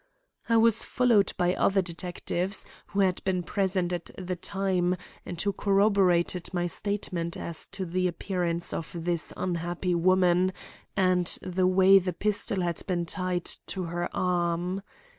I was followed by other detectives who had been present at the time and who corroborated my statement as to the appearance of this unhappy woman and the way the pistol had been tied to her arm.